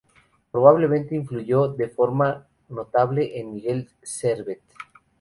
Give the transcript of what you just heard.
Probablemente influyó de forma notable en Miguel Servet.